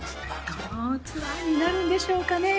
どのツアーになるんでしょうかね。